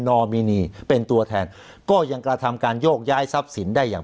อมินีเป็นตัวแทนก็ยังกระทำการโยกย้ายทรัพย์สินได้อย่าง